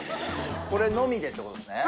これのみでってことですね。